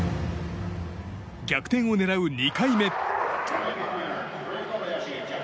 逆転を狙う、２回目。